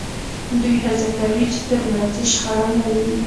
دوی هڅه کوي چې ترمنځ یې شخړه نه وي